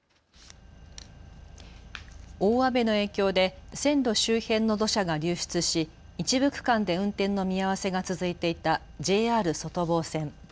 大雨の影響で線路周辺の土砂が流出し一部区間で運転の見合わせが続いていたＪＲ外房線。